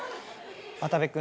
渡部君